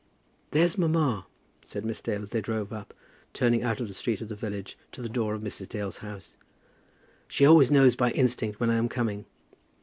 "There's mamma," said Miss Dale as they drove up, turning out of the street of the village to the door of Mrs. Dale's house. "She always knows, by instinct, when I am coming.